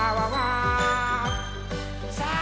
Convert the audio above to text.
さあ